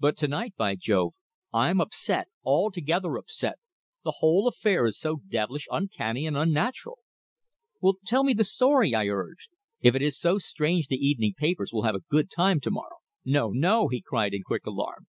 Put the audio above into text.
But to night, by Jove! I'm upset altogether upset. The whole affair is so devilish uncanny and unnatural." "Tell me the story," I urged. "If it is so strange the evening papers will have a good time to morrow." "No, no," he cried in quick alarm.